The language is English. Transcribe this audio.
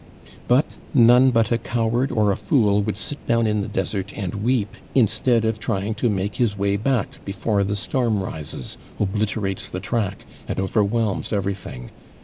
'But none but a coward, or a fool would sit down in the desert and weep, instead of trying to make his way back before the storm rises, obliterates the track, and overwhelms everything.